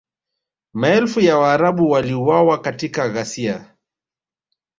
Maelfu ya Waarabu waliuawa katika ghasia